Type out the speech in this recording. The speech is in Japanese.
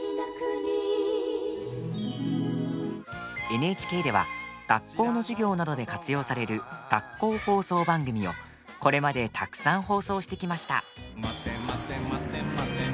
ＮＨＫでは学校の授業などで活用される学校放送番組を、これまでたくさん放送してきました。